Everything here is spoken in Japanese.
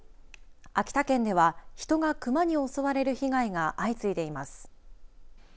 秋田県では人がクマに襲われる被害が相次いでいます。